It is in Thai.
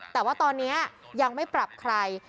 แต่ว่าตอนนี้ยังไม่ปรับใคร